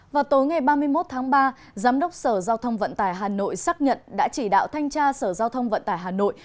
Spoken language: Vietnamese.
vào tối ngày ba mươi một tháng ba giám đốc sở giao thông vận tải hà nội xác nhận đã chỉ đạo thanh tra sở giao thông vận tải hà nội